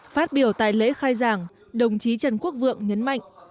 phát biểu tại lễ khai giảng đồng chí trần quốc vượng nhấn mạnh